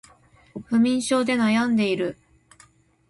不眠症で悩んでいる